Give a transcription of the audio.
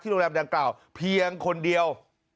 โรงแรมดังกล่าวเพียงคนเดียว